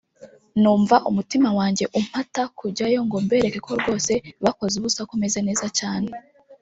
numva umutima wanjye umpata kujyayo ngo mbereke ko rwose bakoze ubusa ko meze neza cyane